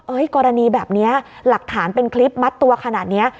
กรณีแบบนี้หลักฐานเป็นคลิปมัดตัวขนาดนี้